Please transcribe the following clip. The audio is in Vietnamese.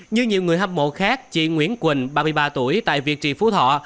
như nhiều người hâm mộ khác chị nguyễn quỳnh ba mươi ba tuổi tại việt trì phú thọ